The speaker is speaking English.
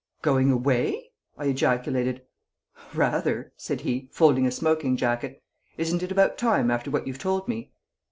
"Going away?" I ejaculated. "Rather!" said he, folding a smoking jacket. "Isn't it about time after what you've told me?"